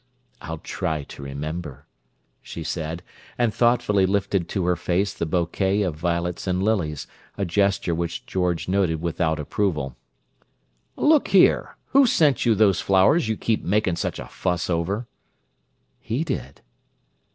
"I'll try to remember," she said, and thoughtfully lifted to her face the bouquet of violets and lilies, a gesture which George noted without approval. "Look here! Who sent you those flowers you keep makin' such a fuss over?" "He did."